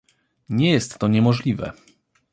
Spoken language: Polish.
Nie jest to niemożliwe